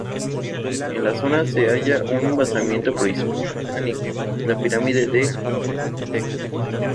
En la zona se halla un basamento prehispánico, la pirámide de Tecpan.